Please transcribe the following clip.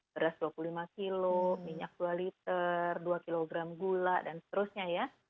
beras dua puluh lima kilo minyak dua liter dua kg gula dan seterusnya ya